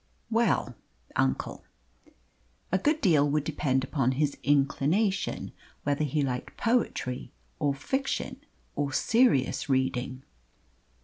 "Well, uncle, a good deal would depend upon his inclination whether he liked poetry or fiction, or serious reading."